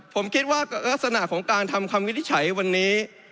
ผมคิดว่าลักษณะของการทำคำวินิจฉัยวันนี้